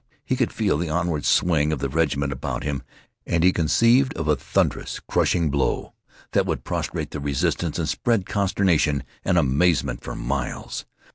He could feel the onward swing of the regiment about him and he conceived of a thunderous, crushing blow that would prostrate the resistance and spread consternation and amazement for miles.